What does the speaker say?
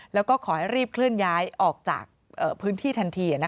แล้วก็ขอให้รีบเคลื่อนย้ายออกจากพื้นที่ทันที